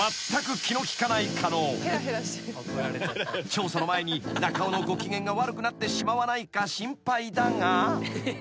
［調査の前に中尾のご機嫌が悪くなってしまわないか心配だが］